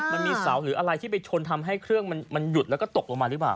มันมีเสาหรืออะไรที่ไปชนทำให้เครื่องมันหยุดแล้วก็ตกลงมาหรือเปล่า